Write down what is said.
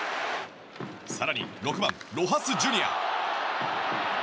更に６番、ロハス・ジュニア。